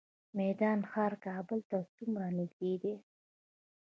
میدان ښار کابل ته څومره نږدې دی؟